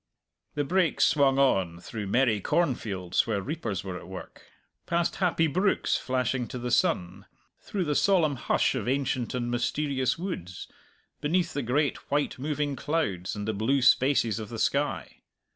The brake swung on through merry cornfields where reapers were at work, past happy brooks flashing to the sun, through the solemn hush of ancient and mysterious woods, beneath the great white moving clouds and blue spaces of the sky.